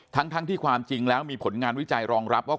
ทั้งที่ความจริงแล้วมีผลงานวิจัยรองรับว่า